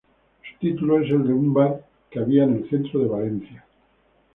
Su título es el de un bar que había en el centro de Valencia.